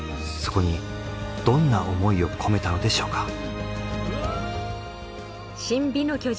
そこにどんな思いを込めたのでしょうか？